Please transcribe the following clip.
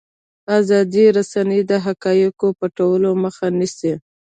ازادې رسنۍ د حقایقو پټولو مخه نیسي.